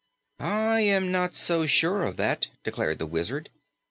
"I am not so sure of that," declared the Wizard.